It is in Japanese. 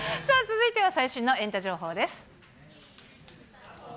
続いては最新のエンタ情報です。